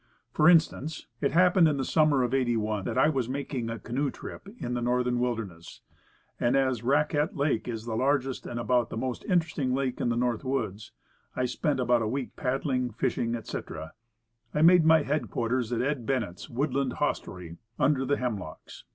For instance. It happened in the summer of '81 that I was mak ing a canoe trip in the Northern Wilderness, and as Raquette Lake is the largest and about the. most interesting lake in the North Woods, I spent about a week paddling, fishing, etc. I made my headquarters at Ed. Bennett's woodland hostelry, "Under the Hemlocks."